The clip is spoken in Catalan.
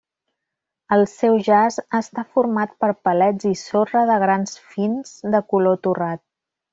El seu jaç està format per palets i sorra de grans fins de color torrat.